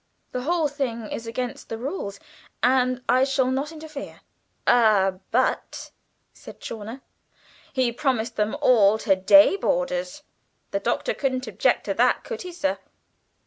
The whole thing is against the rules, and I shall not interfere." "Ah, but," said Chawner, "he promised them all to day boarders. The Doctor couldn't object to that, could he, sir?"